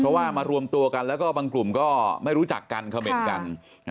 เพราะว่ามารวมตัวกันแล้วก็บางกลุ่มก็ไม่รู้จักกันเขม่นกัน